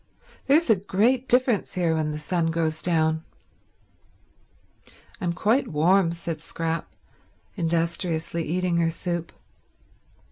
"There's a great difference here when the sun goes down." "I'm quite warm," said Scrap, industriously eating her soup.